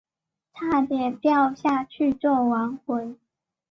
差点掉下去做亡魂